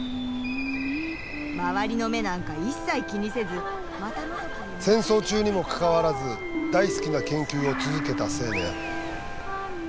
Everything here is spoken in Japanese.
周りの目なんか一切気にせず戦争中にもかかわらず大好きな研究を続けた青年。